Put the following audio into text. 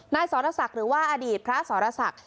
นายสอรสักหรือว่าอดีตพระสอรสัก